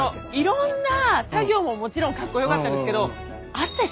いろんな作業ももちろんかっこよかったんですけど。